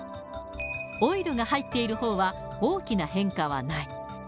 オイルが入っているほうは、大きな変化はない。